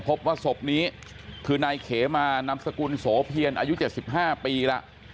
พบว่าศพนี้คือนายเขมานำสกุลโสเพียนอายุเจ็ดสิบห้าปีละ